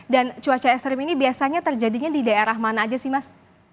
dan cuaca ekstrim ini biasanya terjadinya di daerah mana aja sih mas